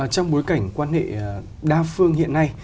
trong bối cảnh quan hệ đa phương hiện nay